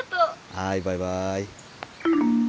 はいバイバイ。